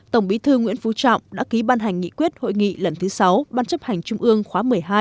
tổng bí thư nguyễn phú trọng đã ký ban hành nghị quyết hội nghị lần thứ sáu ban chấp hành trung ương khóa một mươi hai